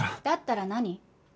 だったら何？